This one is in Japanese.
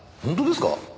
本当ですか？